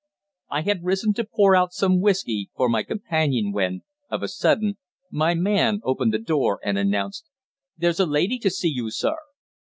I had risen to pour out some whiskey for my companion when, of a sudden, my man opened the door and announced: "There's a lady to see you, sir."